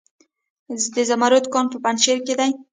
د زمرد کان په پنجشیر کې دی